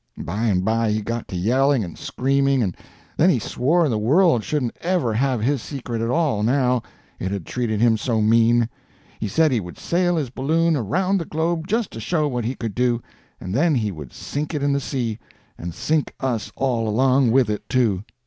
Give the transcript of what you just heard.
By and by he got to yelling and screaming, and then he swore the world shouldn't ever have his secret at all now, it had treated him so mean. He said he would sail his balloon around the globe just to show what he could do, and then he would sink it in the sea, and sink us all along with it, too.